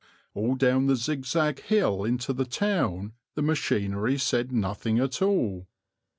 All down the zigzag hill into the town the machinery said nothing at all.